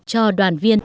cho đoàn viên